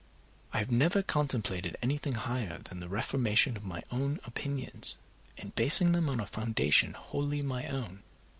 I have never contemplated anything higher than the reformation of my own opinions, and basing them on a foundation wholly my own.